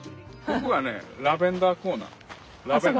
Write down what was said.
ああそこラベンダーコーナー。